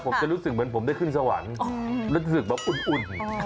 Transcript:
ผมจะรู้สึกเหมือนผมได้ขึ้นสวรรค์รู้สึกแบบอุ่น